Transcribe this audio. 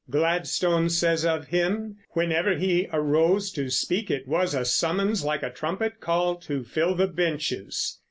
Gladstone says of him: "Whenever he arose to speak it was a summons like a trumpet call to fill the benches."